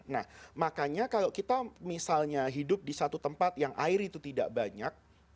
nah makanya kalau kita misalnya hidup di satu tempat yang air itu tidak banyak